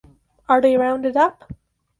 Are they rounded up?